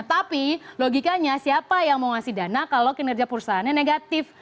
tapi logikanya siapa yang mau ngasih dana kalau kinerja perusahaannya negatif